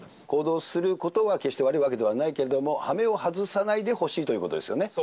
行動することは、決して悪いわけではないけれども、はめを外さないでほしいということですよね。